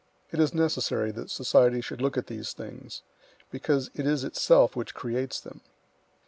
It is necessary that society should look at these things, because it is itself which creates them.